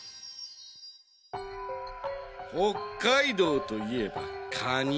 北海道といえばカニ。